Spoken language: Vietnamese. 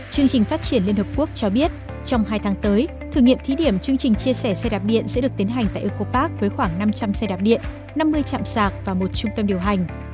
chương trình phát triển liên hợp quốc cho biết trong hai tháng tới thử nghiệm thí điểm chương trình chia sẻ xe đạp điện sẽ được tiến hành tại eco park với khoảng năm trăm linh xe đạp điện năm mươi chạm sạc và một trung tâm điều hành